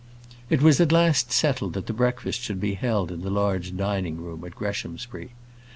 It was at last settled that the breakfast should be held in the large dining room at Greshamsbury.